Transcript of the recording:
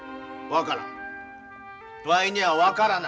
分からん。